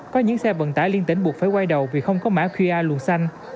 có những xe vận tải liên tỉnh buộc phải quay đầu vì không có mã qr xanh